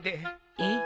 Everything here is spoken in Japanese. えっ？